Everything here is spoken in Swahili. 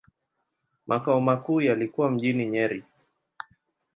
Makao makuu yalikuwa mjini Nyeri.